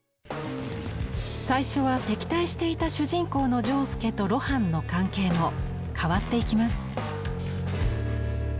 最初は敵対していた主人公の仗助と露伴の関係も変わっていきます。